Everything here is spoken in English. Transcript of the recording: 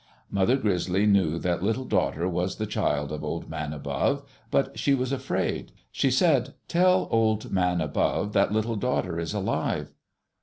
Mother Grizzly knew that Little Daughter was the child of Old Man Above, but she was afraid. She said: "Tell Old Man Above that Little Daughter is alive."